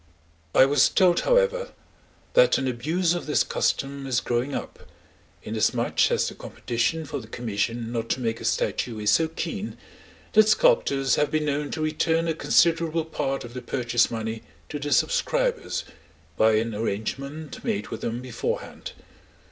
I was told, however, that an abuse of this custom is growing up, inasmuch as the competition for the commission not to make a statue is so keen, that sculptors have been known to return a considerable part of the purchase money to the subscribers, by an arrangement made with them beforehand.